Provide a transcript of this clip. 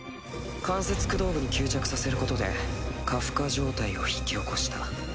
関節駆動部に吸着させることで過負荷状態を引き起こした。